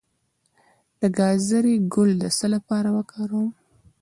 د ګازرې ګل د څه لپاره وکاروم؟